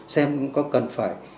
xem có cần phải